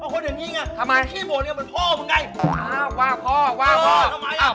ผักคลิปโปร์ทีเยอะมันพ่อปกไง